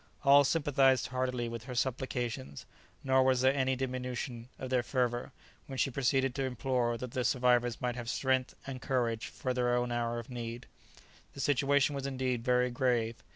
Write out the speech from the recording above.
All sympathized heartily with her supplications, nor was there any diminution of their fervour when she proceeded to implore that the survivors might have strength and courage for their own hour of need. The situation was indeed very grave.